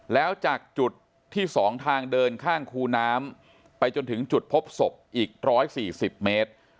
แล้วจากจุดที่๒ทางเดินข้างคูน้ำไปจนถึงจุดพบศพอีก๑๔๐เมตร